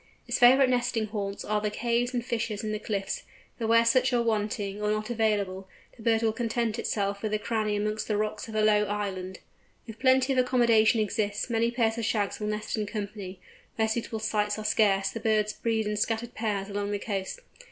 Its favourite nesting haunts are the caves and fissures in the cliffs, but where such are wanting, or not available, the bird will content itself with a cranny amongst the rocks of a low island. If plenty of accommodation exists many pairs of Shags will nest in company; where suitable sites are scarce the birds breed in scattered pairs along the coast.